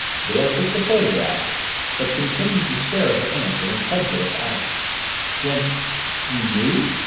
Dale took the photograph but continued to stare at her aunt with incredulous eyes. "Then you knew?"